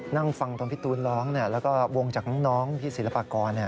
นั่งฟังตอนพี่ตูนร้องแล้วก็วงจากน้องพี่ศิลปากร